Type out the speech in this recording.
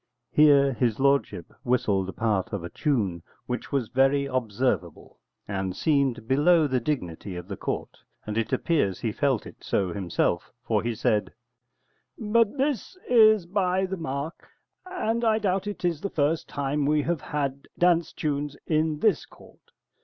[Here his lordship whistled a part of a tune, which was very observable, and seemed below the dignity of the court. And it appears he felt it so himself, for he said:] But this is by the mark, and I doubt it is the first time we have had dance tunes in this court.